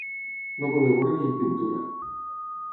No poder veure ni en pintura.